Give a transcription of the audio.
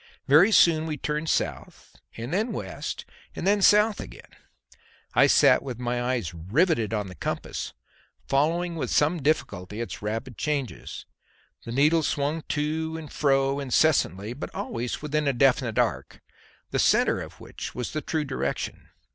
Very soon we turned south and then west and then south again. I sat with my eyes riveted on the compass, following with some difficulty its rapid changes. The needle swung to and fro incessantly but always within a definite arc, the centre of which was the true direction.